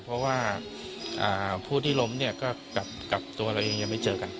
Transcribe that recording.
เพราะว่าผู้ที่ล้มเนี่ยก็กับตัวเราเองยังไม่เจอกัน